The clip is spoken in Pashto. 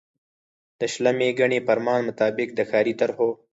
د شلمي ګڼي فرمان مطابق د ښاري طرحو